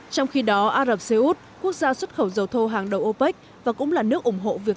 trong khi đó ả rập xê út quốc gia xuất khẩu dầu thô hàng đầu opec và cũng là nước ủng hộ việc